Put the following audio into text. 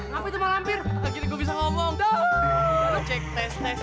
hai apa itu mau hampir bisa ngomong cek tes tes